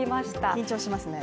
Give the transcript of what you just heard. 緊張しますね。